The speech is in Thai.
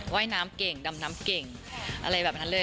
ว่ายน้ำเก่งดำน้ำเก่งอะไรแบบนั้นเลย